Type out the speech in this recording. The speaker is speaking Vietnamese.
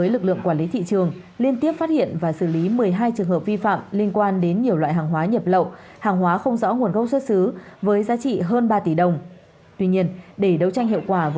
lực lượng chức năng còn đều không có giấy tờ chứng minh